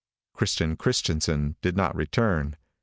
Christian Christianson did not return.